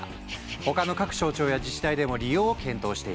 他の各省庁や自治体でも利用を検討している。